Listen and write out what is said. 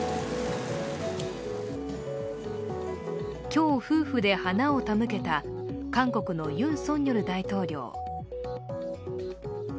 今日、夫婦で花を手向けた韓国のユン・ソンニョル大統領。